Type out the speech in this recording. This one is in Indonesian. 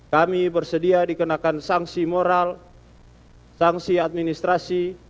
kami bersedia dikenakan sanksi moral sanksi administrasi